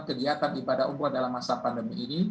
kegiatan ibadah umroh dalam masa pandemi ini